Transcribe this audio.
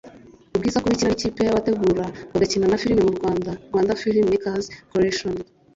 ubwo iza kuba ikina n’ikipe y’abategura bagakina na filimi mu Rwanda Rwanda Film Makers Coalition